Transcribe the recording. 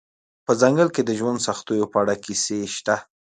په ځنګل کې د ژوند سختیو په اړه کیسې شته